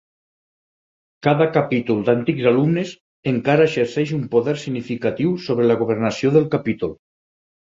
Cada capítol d'antics alumnes encara exerceix un poder significatiu sobre la governació del capítol.